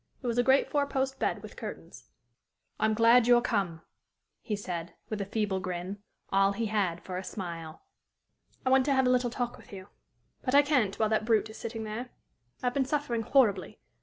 It was a great four post bed, with curtains. "I'm glad you're come," he said, with a feeble grin, all he had for a smile. "I want to have a little talk with you. But I can't while that brute is sitting there. I have been suffering horribly.